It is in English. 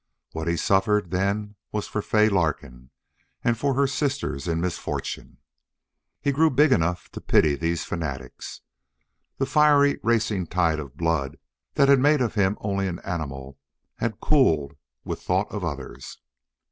What he suffered then was for Fay Larkin and for her sisters in misfortune. He grew big enough to pity these fanatics. The fiery, racing tide of blood that had made of him only an animal had cooled with thought of others.